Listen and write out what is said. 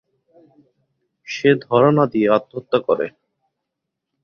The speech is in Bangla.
সে ধরা না দিয়ে আত্মহত্যা করে।